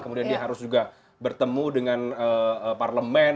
kemudian dia harus juga bertemu dengan parlemen